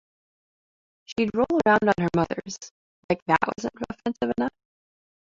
She'd rolled around on her mother's - like that wasn't offensive enough?